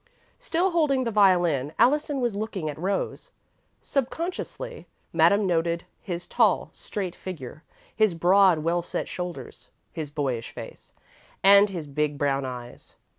Still holding the violin, Allison was looking at Rose. Subconsciously, Madame noted his tall straight figure, his broad well set shoulders, his boyish face, and his big brown eyes.